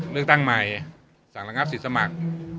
เลือกตั้งใหม่สั่งระงับสิทธิ์สมัคร